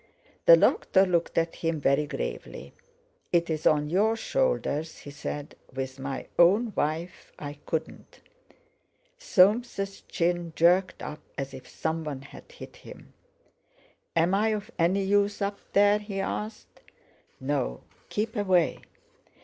The doctor looked at him very gravely. "It's on your shoulders," he said; "with my own wife, I couldn't." Soames' chin jerked up as if someone had hit him. "Am I of any use up there?" he asked. "No; keep away."